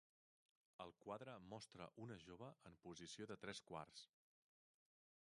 El quadre mostra una jove en posició de tres quarts.